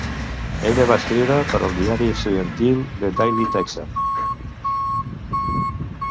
Ella va escriure per al diari estudiantil "The Daily Texan".